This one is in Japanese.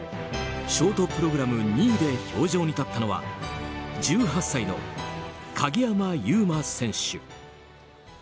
ショートプログラム２位で氷上に立ったのは１８歳の鍵山優真選手。